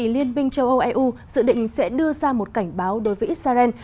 liên minh châu âu eu dự định sẽ đưa ra một cảnh báo đối với israel